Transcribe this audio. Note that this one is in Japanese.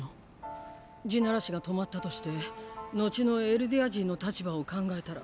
「地鳴らし」が止まったとして後のエルディア人の立場を考えたら。